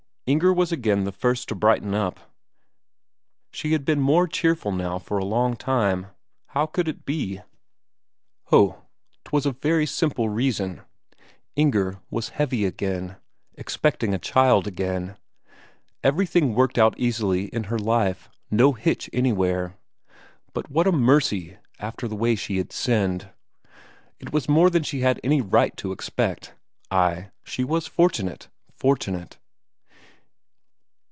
Inger was again the first to brighten up; she had been more cheerful now for a long time. What could it be? Ho, 'twas for a very simple reason; Inger was heavy again; expecting a child again. Everything worked out easily in her life, no hitch anywhere. But what a mercy, after the way she had sinned! it was more than she had any right to expect. Ay, she was fortunate, fortunate.